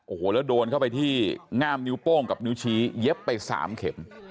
โอ้โหแล้วโดนเข้าไปที่ง่ามนิ้วโป้งกับนิ้วชี้เย็บไป๓เข็ม